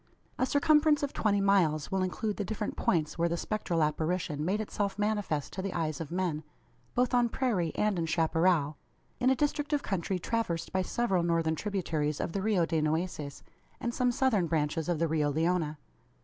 A circumference of twenty miles will include the different points where the spectral apparition made itself manifest to the eyes of men both on prairie and in chapparal in a district of country traversed by several northern tributaries of the Rio de Nueces, and some southern branches of the Rio Leona.